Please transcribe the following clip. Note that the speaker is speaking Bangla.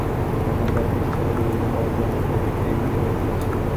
তখন তারা পিস্তলে গুলি ভরার জন্য পকেট থেকে গুলি বের করছিল।